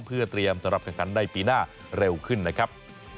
เพื่อเตรียมสำหรับแข่งขันในปีหน้าเร็วขึ้นนะครับ